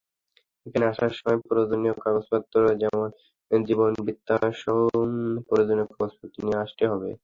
এখানে আসার সময় প্রয়োজনীয় কাগজপত্র যেমন জীবনবৃত্তান্তসহ প্রয়োজনীয় কাগজপত্র নিয়ে আসতে হবে।